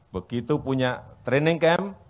begitu punya training camp